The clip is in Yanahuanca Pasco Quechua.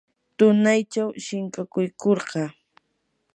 tunaychawmi shinkakuykurqaa.